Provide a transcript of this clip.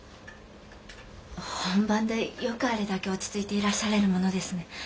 本番でよくあれだけ落ち着いていらっしゃれるものですね。